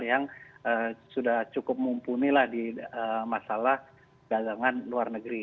yang sudah cukup mumpuni lah di masalah gagangan luar negeri